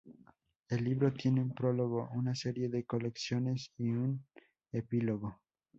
El libro tiene un prólogo, una serie de colecciones y un epílogo.